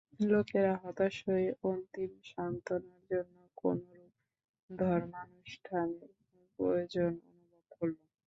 লোকেরা হতাশ হয়ে অন্তিম সান্ত্বনার জন্য কোনরূপ ধর্মানুষ্ঠানের প্রয়োজন অনুভব করল।